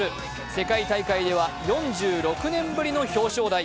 世界大会では４６年ぶりの表彰台。